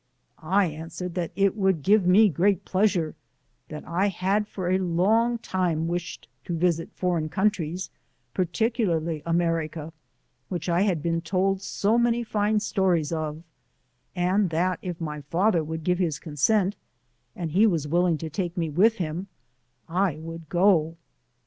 1 answered, that it would give me great pleasure, that I had for a long time wished to visit foreign countries, particularly America, which I had been told so many fine stories of, and that if my father would give his consent, and he was willing to take me with him, I would go.